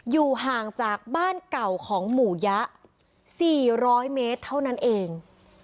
อยู่ห่างจากบ้านเก่าของหมู่ยะ๔๐๐เมตรเท่านั้นเอง